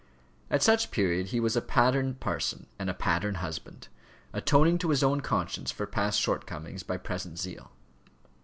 At such period he was a pattern parson and a pattern husband, atoning to his own conscience for past shortcomings by present zeal.